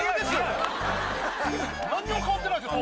何にも変わってないですよ